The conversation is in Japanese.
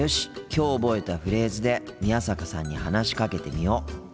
きょう覚えたフレーズで宮坂さんに話しかけてみよう。